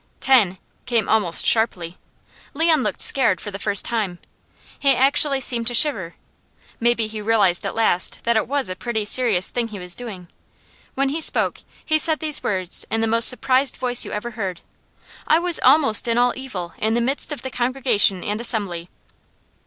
"Ten!" came almost sharply. Leon looked scared for the first time. He actually seemed to shiver. Maybe he realized at last that it was a pretty serious thing he was doing. When he spoke he said these words in the most surprised voice you ever heard: "I was almost in all evil in the midst of the congregation and assembly."